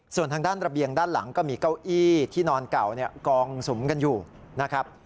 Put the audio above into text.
ส่วนทางด้านระเบียงด้านหลังก็มีเก้าอี้ที่นอนเก่ากองสุมกันอยู่นะครับ